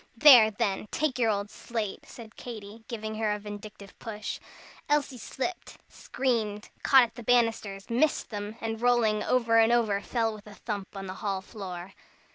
"There, then, take your old slate!" said Katy, giving her a vindictive push. Elsie slipped, screamed, caught at the banisters, missed them, and rolling over and over, fell with a thump on the hall floor.